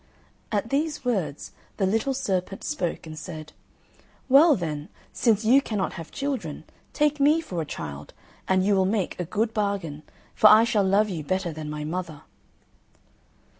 At these words, the little serpent spoke, and said, "Well, then, since you cannot have children, take me for a child, and you will make a good bargain, for I shall love you better than my mother."